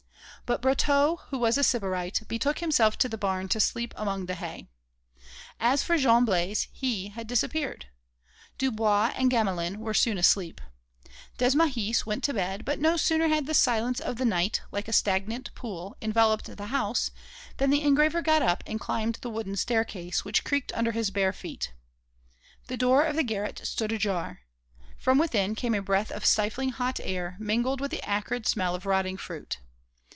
But Brotteaux, who was a Sybarite, betook himself to the barn to sleep among the hay. As for Jean Blaise, he had disappeared. Dubois and Gamelin were soon asleep. Desmahis went to bed; but no sooner had the silence of night, like a stagnant pool, enveloped the house, than the engraver got up and climbed the wooden staircase, which creaked under his bare feet. The door of the garret stood ajar. From within came a breath of stifling hot air, mingled with the acrid smell of rotting fruit.